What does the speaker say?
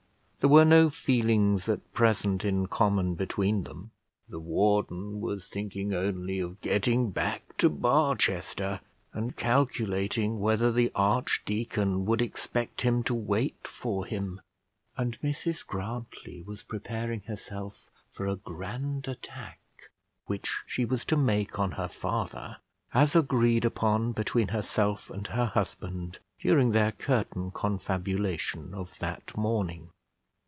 There were no feelings at present in common between them. The warden was thinking only of getting back to Barchester, and calculating whether the archdeacon would expect him to wait for him; and Mrs Grantly was preparing herself for a grand attack which she was to make on her father, as agreed upon between herself and her husband during their curtain confabulation of that morning.